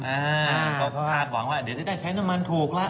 อ่าก็คาดหวังว่าเดี๋ยวจะได้ใช้น้ำมันถูกละ